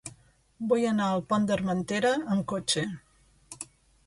Vull anar al Pont d'Armentera amb cotxe.